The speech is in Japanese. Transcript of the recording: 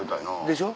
でしょ。